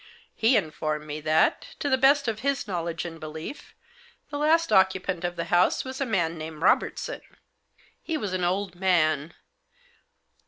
He informed me that, to the best of his knowledge and belief, the last occupant of the house was a man named Robertson. He was an old man.